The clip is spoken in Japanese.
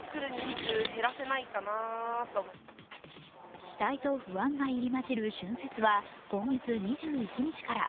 期待と不安が入り交じる春節は今月２１日から。